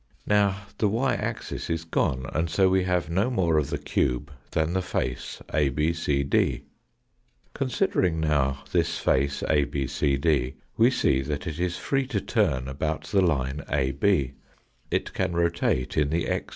Now the y axis is gone, and fo we have no more of the cube than the face ABCD. Considering now this face ABCD, we see that it is free to turn about the line AB. It can rotate in the a?